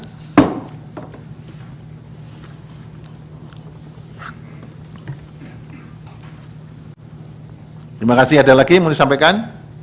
terima kasih ada lagi mau disampaikan